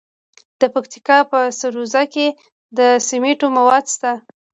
د پکتیکا په سروضه کې د سمنټو مواد شته.